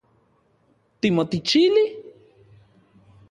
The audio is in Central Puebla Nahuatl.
¿Timotixili?